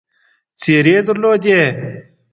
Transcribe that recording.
څېرې درلودې.